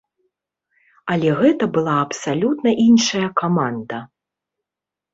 Але гэта была абсалютна іншая каманда.